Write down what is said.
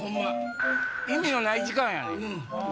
意味のない時間やねん。